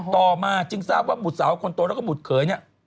ต่อมาจึงทราบว่าหุดสาวคนโตแล้วก็หุดเขย